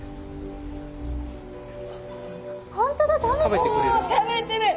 本当だ食べてる。